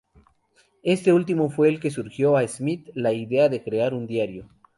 Este último fue el que sugirió a Smith la idea de crear un diario.